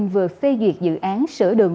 vừa phê duyệt dự án sửa đường